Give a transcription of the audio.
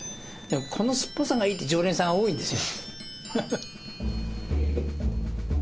この酸っぱさがいいって常連さんが多いんですよ。